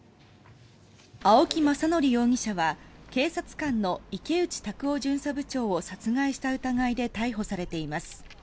青木政憲容疑者は警察官の池内卓夫巡査部長を殺害した疑いで逮捕されています。